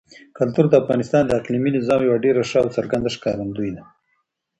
کلتور د افغانستان د اقلیمي نظام یوه ډېره ښه او څرګنده ښکارندوی ده.